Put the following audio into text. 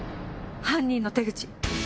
犯人の手口。